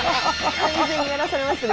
完全にやらされましたね